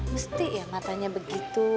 mesti ya matanya begitu